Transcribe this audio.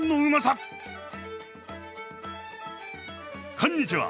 こんにちは！